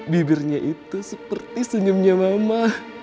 bibirnya itu seperti senyumnya mama